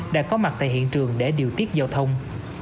đã có mặt tại hiện trường để điều tiết giao thông